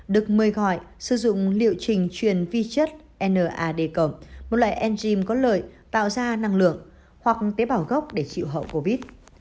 được mời gọi sử dụng liệu trình truyền vi chất nad một loại enzym có lợi tạo ra năng lượng hoặc tế bào gốc để chịu hậu covid